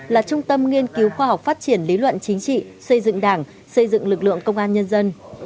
là trung tâm nghiên cứu khoa học phát triển lý luận chính trị xây dựng đảng xây dựng lực lượng công an nhân dân